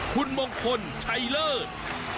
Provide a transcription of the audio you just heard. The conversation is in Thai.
คุณบงคลชัยเลอร์